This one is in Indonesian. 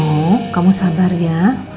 nuk kamu sabar ya